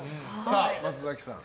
松崎さん